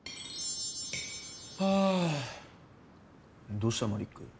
どうしたマリック？